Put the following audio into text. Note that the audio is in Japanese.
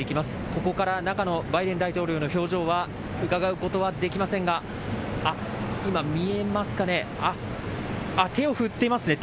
ここから中のバイデン大統領の表情はうかがうことはできませんが今、見えますかね。